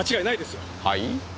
はい？